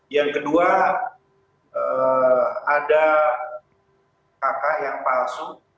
yang kedua ada kakak yang palsu